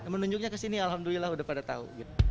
menunjuknya ke sini alhamdulillah udah pada tahu